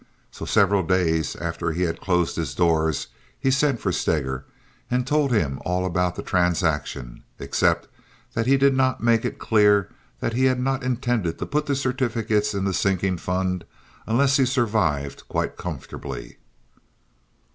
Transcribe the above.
So several days after he had closed his doors, he sent for Steger and told him all about the transaction, except that he did not make it clear that he had not intended to put the certificates in the sinking fund unless he survived quite comfortably.